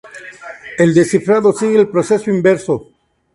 El descifrado sigue el proceso inverso.